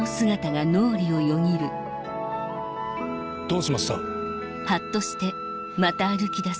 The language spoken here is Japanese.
どうしました？